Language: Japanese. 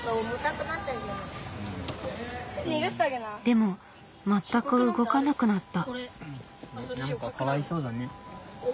でも全く動かなくなった。